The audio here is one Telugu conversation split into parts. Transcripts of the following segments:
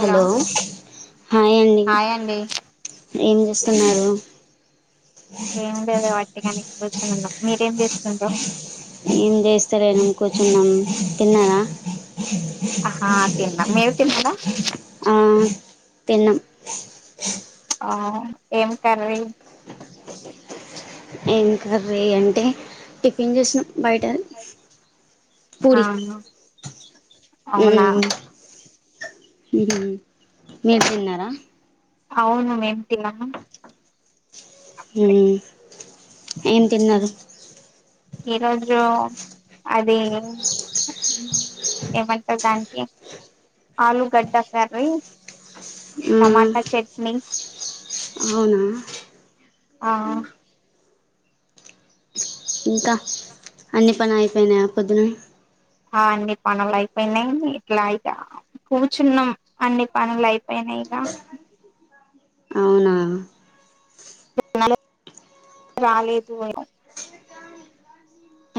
హలో హాయ్ అండి హాయ్ అండి ఏం చేస్తున్నారు ఏమి లేదే వట్టిగానే కూర్చునున్నా మీరేం చేస్తుండ్రు సరైనం కూర్చున్నాం తిన్నారా అహా తిన్నా మీరు తిన్నడా ఆ తిన్నాం ఆ ఏం కర్రీ ఏం కర్రీ అంటే టిఫిన్ చేసిన బయట ఆ పూడి అవునా హ్మ్ హ్మ్ మీరు తిన్నారా అవును మేమ్ తిన్నాము హ్మ్ ఏం తిన్నారు ఈరోజు అది ఏమంటారు దానికి ఆలుగడ్డ కర్రీ టమాటా చట్నీ అవునా ఆ ఇంకా అన్ని పని అయిపోయినాయా పొద్దున ఆ అన్ని పనులు అయిపోయినాయి ఇట్లా ఇక కూర్చున్నాం అన్ని పనులు అయిపోయినాయి ఇగ అవునా రాలేదు [unintelligible]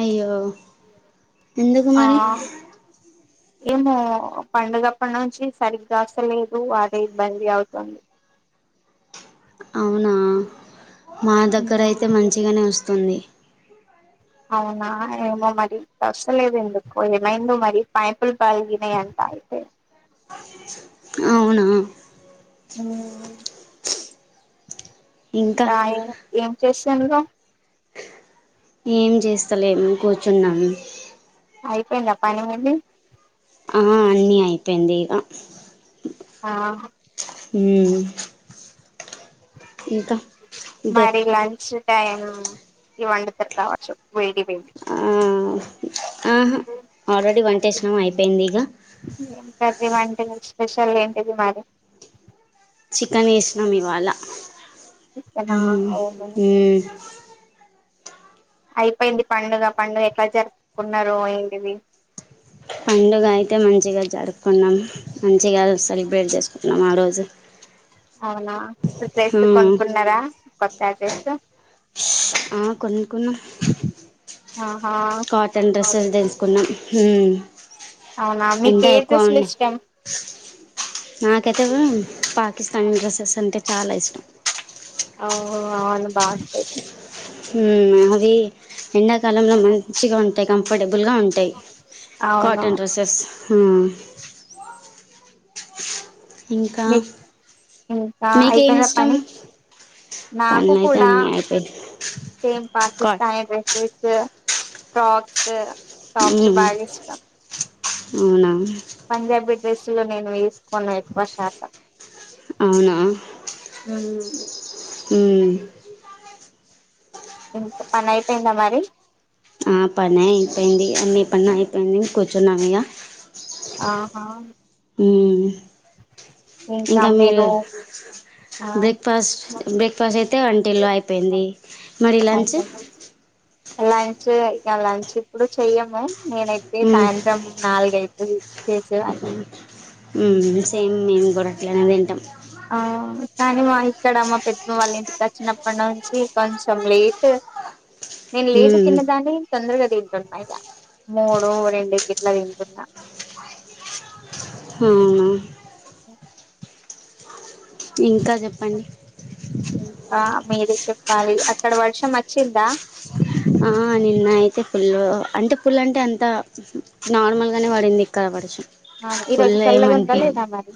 అయ్యో ఎందుకు ఆ మరి ఏమో పండుగప్పటి నుంచి సరిగ్గా అస్తలేదు వాటి ఇబ్బంది అవుతుంది అవునా అ మా దగ్గరయితే మంచిగానే వస్తుంది అవునా ఏమో మరి కసలేదు ఎందుకు ఏమైందో మరి పైపులు పలిగినాయి అంట అయితే అవునా హ్మ్ ఇంకా ఏం చేస్ తెల్వ ఏం చేస్తలేము కూర్చున్నాము అయిపోయిందా పని మీది ఆ అన్నీ అయిపోయింది ఇక ఆ హ్మ్ దే మరి లంచ్ టైం ఈ వంట తీరు కావచ్చు వీడి ఆహ ఆల్రెడీ వంటేసినాం అయిపోయింది ఇక ఏం కర్రీ వండిన్రు స్పెషల్ ఏంటి మారి చికెన్ వేసినాం ఇవాళ చికెనా హ్మ్ అవును మ్మ్ అయిపోయింది పండుగ పండుగ ఎట్లా జరుపుకున్నారు ఏంటివి పండుగ అయితే మంచిగా జరుపుంది కొన్నాం మంచిగా సెలబ్రేట్ చేసుకుంటున్నాం ఆ రోజు అవునా డ్రెస్ మ్మ్ కొనుకున్నారా కొత్త డ్రెస్ ఆ కొనుక్కున్నాం ఆహా కాటన్ డ్రెస్సెలు తెలుసుకున్నాం అవునా మీకు ఎంట ఏ ఎక్కువ డ్రెస్సులు ఉండే ఇష్టం నాకైతే పాకిస్తానీ డ్రెస్సెస్ అంటే చాలా ఇష్టం ఓహ అవును బాగు ఉమ్ అధి ఎండాకాలంలో మంచిగా ఉంటాయి కంఫర్టబుల్గా ఉంటాయి అవును కాటన్ డ్రెస్సెస్ ఓ ఇంకా మీకేమి అయిపోయింద ఇష్టం పని నాకు పనులు అయితే కూడా అన్నీ అయిపోయి సేమ్ కా పాకిస్తానీ డ్రెస్సెస్ టక్స్ టపుస్ హ్మ్ బాగా ఇష్టం అవునా పంజాబీ డ్రెస్సు నేను వేసుకున్న ఎక్కువ శాతం అవునా అ ఇంకా పని అయిపోయిందా మరి ఆ పనిపోయింది అన్ని పనియిపోంది కూర్చున్నమిగ ఆహా హమ్ ఇంకా మీరు ఆ బ్రేక్ఫాస్ట్ బ్రేక్ఫాస్ట్ అయితే వంటిల్లో అయిపోయింది మరి లంచ్ లంచ్ గా లంచ్ ఇప్పుడు చెయ్యము నేనైతే హ్మ్ సాయంత్రం నాలుగైతుంది చేసేదానికి సేమ్ మేము కూడా అట్లనే తింటాం ఆ కానీ మా ఇక్కడ మా పెద్దమ్ అన్నిటికీ వచ్చినప్పటి నుంచి కొంచెం లేట్ నేను లేట్ హ్మ్ తిన్నదాని! తొందరగా తింటాం బయట ఇక మూడు రెండు గీట్లా తింటున్నా ఉమ్ ఇంకా చెప్పండి! బరి అక్కడ వర్షం వచ్చిందా! ఆ నిన్న అయితే ఫుల్ అంటే ఫుల్ అంటే అంత నార్మల్గానే పడింది ఇక్కడ వర్షం ఈ రోజు ఫుల్ చల్లగా ఉందా ఏమనిపిదు లేదా మరి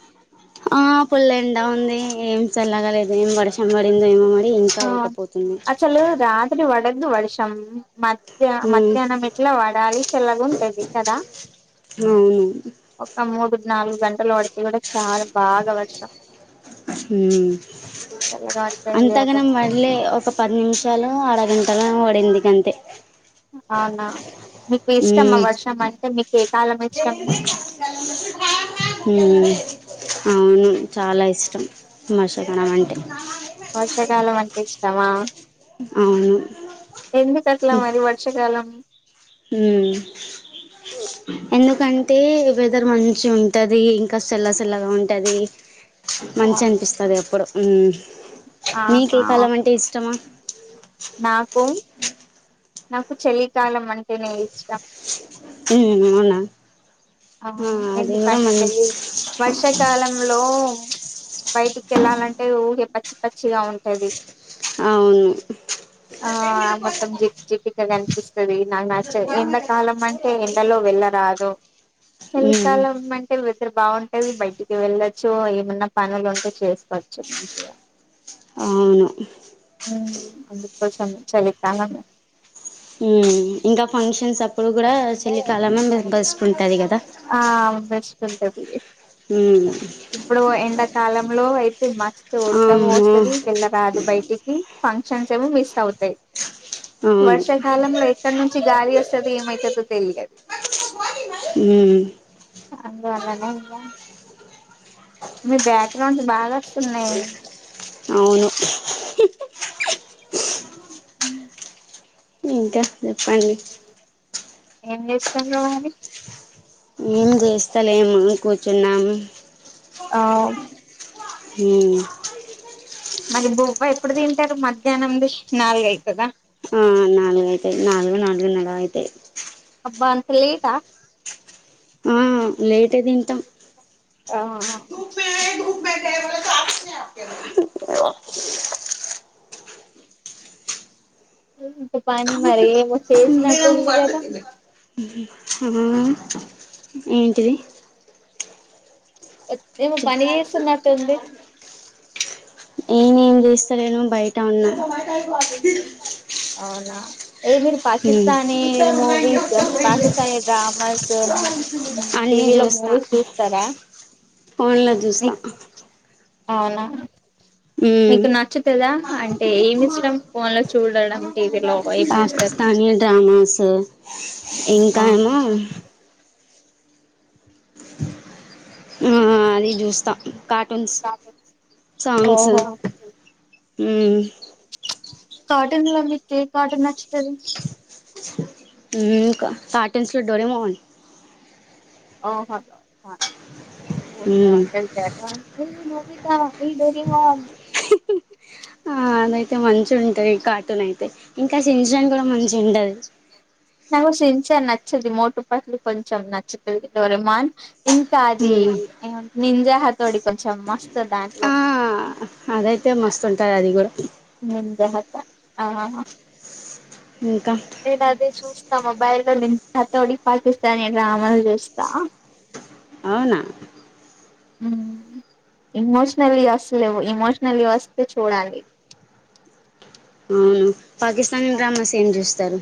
ఆ ఫుల్ ఎండా ఉంది ఏం చల్లగాలేదు ఏం వర్షం పడిందో ఏమో మరి ఇంకా ఆ ఉడకపోతుంది అసలు రాత్రి వడ. ముందు వర్షం మ ఉమ్ మధ్యాహ్నం ఎట్లా వాడాలి చల్లగా ఉంటది కదా! అవును ఒక మూడు నాలుగు గంటలు పడితే కూడా బాగా వర్షం హమ్ చల్లగా పడుతుంది అంతగాన కదా మ ళ్ ఒక పది నిమిషాలు అరగంట పడే ఎందుకంతే అవునా మీకు ఇష్టమా హమ్. వర్షం అంటే మీకు ఏ కాలం ఇష్టం హమ్ అవును! చాలా ఇష్టం మష ఏమంటే వర్షాకాలం అంటే ఇష్టమా! అవును ఎందు కట్లా మరి వర్షాకాలం హమ్ ఎందుకంటే వెదార్ మంచిగా ఉంటది ఇంకా సళ్ళ సల్లగా ఉంటది మంచి అనిపిస్తది ఎప్పుడు హమ్ నీకు ఏ ఆహా కాలం అంటే ఇష్టము నాకు! నాకు చలి. కాలం అంటేనే ఇష్టం మ్మ్ అవునా ఆ అది కూడా ఎందుకంటే మంచి వర్షాకాలంలో బయటికి వెళ్ళాలంటే ఊహే పచ్చి పచ్చిగా ఉంటది అవును ఆ మొత్తం జిట్ జిడ్డుగా కనిపిస్తది నాకు నచ్చదు ఎంతకాలం అంటే ఎండలో వెళ్ళరాదు మ్మ్ చలికాలం అంటే వెదర్ బాగుంటది బయటికి వెళ్ళచ్చు ఏమన్నా పనులు ఉంటే చేస్త చ్చు మంచిగా అవును హ అ చెం చలికాలం ఉ ఇంకా ఫంక్షన్స్ అప్పుడు కూడా చల్లికాలమే బెస్ట్ ఉంటది కదా ంటది హ ఇప్పుడు ఎండాకాలంలో అయితే మస్తు ఉడకవ అమ్మో పోస్తది వెళ్ళరాదు బయటికి ఫంక్షన్ క్షన్స్ ఏమొ మిస్ అవుతాయి అవును వర్షాకాలంలో ఎక్కడి నుంచి గాలి వస్తుంది ఏమైతుందో తెలియదు మ్మ్ అందు అలనే ఇగ మీ బ్యాక్గ్రౌండ్ బాగా వస్తున్నాయి అవును ఇంకా చెప్పండి ఏం చేస్తారు మరి ఏం చేస్తా స్థాలేము కూర్చున్నాము ఆ హ మరి బొవబ్బ ఎప్పుడు తింటారు మధ్యాహ్నంది నాలుగవుతుందా ఆ నాలుగు అయితే నాలుగు నాలుగు నాలువ అయితే హబ్బా అంత లేలీటా ఆ లేట్ అయిది ఇంతా ఆ ఆ ఏ పని మరి ఏమో చేసినట్టుంది కదా అహ్ ఏంటిది ఏమో పని చేస్తున్నట్టుంది నేనేం చేస్తలేను బయట ఉన్నా అవునా ఏ మీరు ఉమ్ పాకిస్తానీ మూవీస్ పాకిస్తానీ డ్రామాస్ అన్నీ టీవీలో చూస్తా మూవీస్ చూస్తారా ఫోన్లో చూస్తా అవునా ఉమ్ మీకు నచ్చుతదా అంటే ఏమి ఇష్టం ఫోన్ లో చూడడం టీవీలో ఏం జూస్తారు పాకిస్తానీ డ్రామాస్ ఇంకా ఏమో అది చూస్తాం కార్టూన్స్ సాంగ్స్ ఓహో హ్మ్మ్ కాటన్ ల మీ కాటన్ నచ్ సరే కార్టూన్స్ లో డోరోమాన్ ఓ హ అవున నమ ఉమ్ అంటే అట అత ఈడరి వా ఆ అదయితే మంచి ఉంటాది కార్టూన్ అయితే ఇంకా సింజాన్ కూడా మంచి ఏంటది కొంచెం నచ్చదు మోటు పతులు కొంచెం నచ్చుతది డోరామాన్ ఇంకా అదిది హ్మ్ నింజా తోడి కొంచం మస్తు దాంట్లో ఆ అదైతే మస్తుంటారు అది కూడా నింజా హత ఆ ఇంకా నేనదే చూస్త మొబైల్ లో [inaudible] పాకిస్తాన్ ఇలా అమలు చేస్తా అవునా మ్మ్ ఇమోషనల్లీ అసల్లేవు ఇమోషనల్లీ వస్తే చూడాలి. హ్మూ పాకిస్తానీ డ్రామాస్ ఏం చూస్తరు?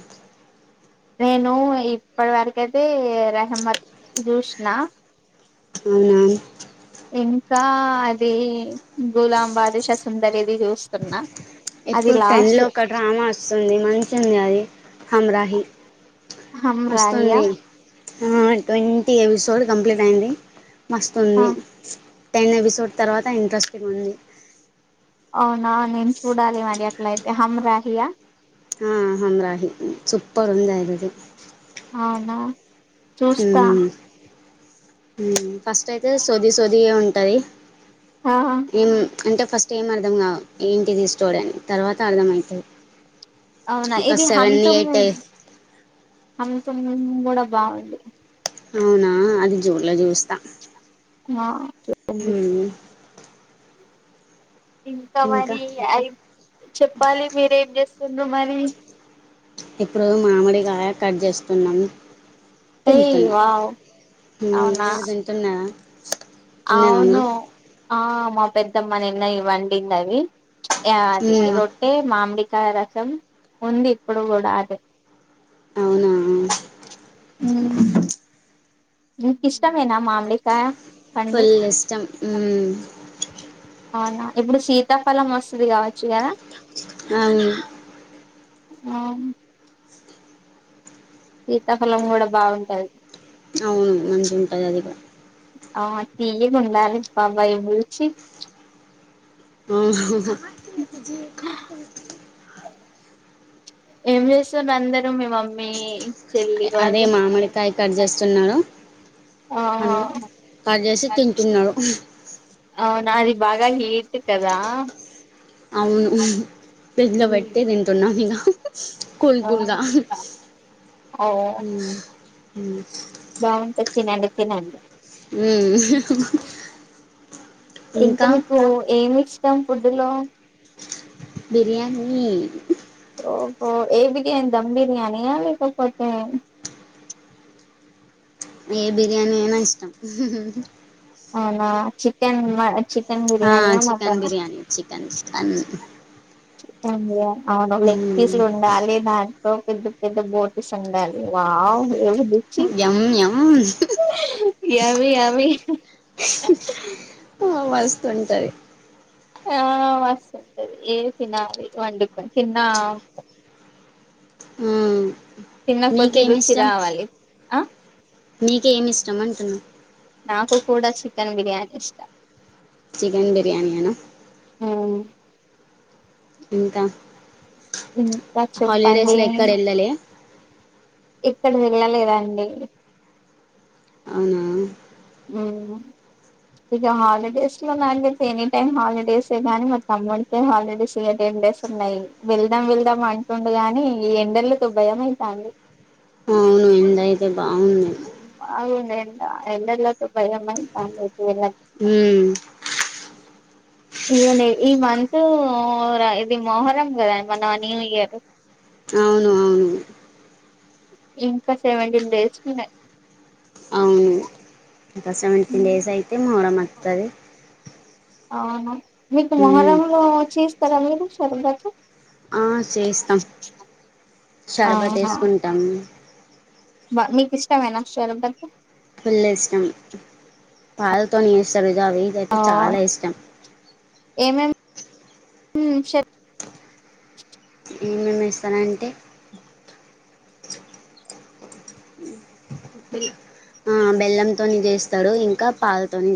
నేను ఇప్పటి వరకైతే రహమ్మత్ జూసిన. అవునా ఇంకా అదీ గులాంబాద్, శసుంధరి ఇది చూస్తున్నా. అది ఇప్పుడు టెన్ లాస్ట్ లో ఒక డ్రామా వస్తుంది మంచిగ వుంది అది. హమ్రాహి హమ్ రాహీ ఆ మస్తుంది ఆ ట్వంటీ ఎపి సోడ్ కంప్లీట్ అయ్యింది ఆ మస్తుంది. టెన్ ఎపిసోడ్ తర్వాత ఇంట్రెస్టింగ్ ఉంది. అవునా నేను చూడాలి మరి అ టైతే హమ్ రాహి ఆ ఆ హమ్ రాహి సుపర్ ఉంది అదైతే అవునా హ్మూ చూస్తా మ్మ్ ఫస్ట్ అయితే సొది సొదిగా ఉంటది. ఆ ఇమ్ అంటే ఫస్ట్ ఏం అర్థం కావ్ ఏంటిది స్టోరీ అని తర్వాత అర్థమైతది అవునా ఇది హమ్ తుమ్ మూ హమ్ తుమ్ కూడ బాగుంది. అవునా అది జూడ్లా జూస్తా. ఆ చెప్పండి ఇంకా మరి అయ్ చెప్పాలి మీరేం చేస్ తుండ్రు మరీ ఇప్పుడు మామిడికాయ కట్ చేస్తున్నాము ఏయ్ తింటున్న వావ్ అవునా మీరు తింటున్నా అవును ఆ మా పెద్దమ్మ నిన్న ఇవి వండింది అవి. యా అది మ్మ్ రొట్టె మామిడి క రసం ఉంది ఇప్పుడు కూడా అదే అవునా మ్ మీకిష్టమేనా మామిడికాయ? పండు ఫుల్ ఇష్టష్టం అవునా ఇప్పుడు సీతాఫలం వస్తుది కావచ్చు కదా అవును ఆ శీతాఫలం కూడా బాగుంటది అవును మంచి ఉంటుంది అది కూడా ఆ తీయగుండాలి పబై బుచ్చి అవునావునా మా జ ఇ ఏం చేస్తారు అందరూ మీ మమ్మీ చెల్ళ అదే వలు మామిడికాయ కట్ చేస్తున్నాడు ఆహా పండు కట్ చేసి తింటున్నారు అవున ఆది బాగ్ హీట్ కదా అవును ఫ్రిడ్జ్ లో పెట్టటి తింటున్నాం ఇక కుల్ ఆ కుల్గా ఉ బాగుంటాధి తినండి తినండి ఉ ఇంకా మీకు ఏమి స్ ం ఫుడ్లో బిర్యానీ ఓహో ఏ బిరియాని దమ్ బిర్యానీ అ లేకపోతే ఏ బిర్యానీ అయినా ఇష్టం అవునా చికెన్ మ చి హా chicken biryani chicken chicken chicken biryani అవును లెగ్ పీస్లు ఉండాలి దాన్ పెద్ద పెద్ద బోట్స్ ఉండాలి వావ్ ఇది బుక్ చెయ్ ఎమ్ ఎమ్ యమ్మి యమ్మి వస్తుంటుంది ఆ మస్తు ఉంటది ఏరీ తినాలీ వండు కొని తిన్నా ఉ తిన్న కొొద్ద్దీ రుచి రావాలి ఆ నీకేమి ఇష్టం అంటున్నా ఇష్ట చికెన్ బిర్యానీఎ నా ఉమ్ ఇంకా ఇంకా చెప్పండి హాలిడేస్లో ఎక్కడ వెళ్ళలే ఇక్కడ తెలియాలి కదా అండి అవునా హుమ్మ్ ఇగా హాలిడేస్ లో నాయితే ఎనీ టైమ్ హాలీడేసే గానీ, మా తమ్ముడికే హాలిడేస్ లెవెన్ డేస్ ఉన్నాయి. వెళ్దాం వెళ్దాం అంటుండుగాని ఈ ఎండల్లతో భయమైతాంది. అవును ఎండయితే బాగుంది అవునన్. ఆ ఎండలకు భయమైతాంది. హుమ్మ్. ఇగోండి ఈ మంత్, ర ఇది మొహరం కదా మన న్యూ ఇయర్. అవును అవును ఇంకా సెవెంటీన్ డేస్ ఉన్నాయి. అవును ఇంకా సెవెంటీన్ డేస్ అయితే, మొహరం అత్తది. ఆమా మీకు మొహరం [unintelligible] చేస్తారా మీరు షర్బతు. ఆ చేస్తాం షర్బత్ ఎస్కుంటాం. బ మీకు ఇష్టమేనా షర్బతు. ఫుల్ ఇష్టం పాలతోనీ చేస్తారు ఇది. ద ఆ ఇదైతే చాలా ఇష్టం. హుమ్మ్ షర్. ఏమేం ఏస్తారు అంటే. ఆ బెల్లంతోని చేస్తాడు, ఇంకా పాలుతోని చే.